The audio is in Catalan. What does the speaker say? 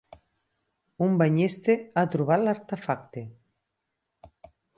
Un banyista ha trobat l'artefacte